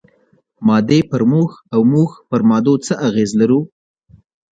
مادې پر موږ او موږ پر مادو څه اغېز لرو؟